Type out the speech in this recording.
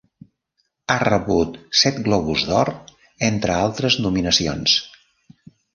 Ha rebut set Globus d'Or, entre altres nominacions.